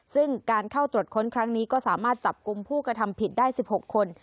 ซึ่งการเข้าตรวจค้นครั้งนี้ก็สามารถจับกลุ่มผู้กระทำผิดได้๑๖คน